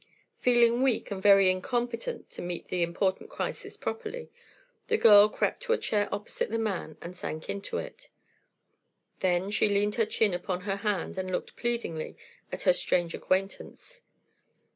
Feeling weak and very incompetent to meet the important crisis properly, the girl crept to a chair opposite the man and sank into it. Then she leaned her chin upon her hand and looked pleadingly at her strange acquaintance.